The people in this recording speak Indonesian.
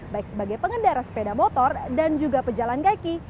baik sebagai pengendara sepeda motor dan juga pejalan kaki